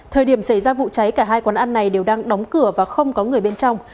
thời điểm xảy ra vụ cháy cả hai quán ăn này đều đang đóng cửa và không có người bên trong